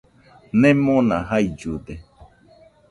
Nemona jaillude.